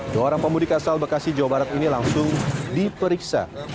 dua orang pemudik asal bekasi jawa barat ini langsung diperiksa